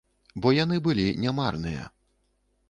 Бо яны былі не марныя.